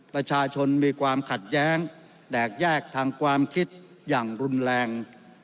ประชาชนมีความขัดแย้งแตกแยกทางความคิดอย่างรุนแรง